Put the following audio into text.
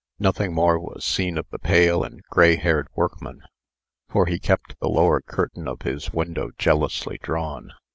Nothing more was seen of the pale and grayhaired workman; for he kept the lower curtain of his window jealously drawn.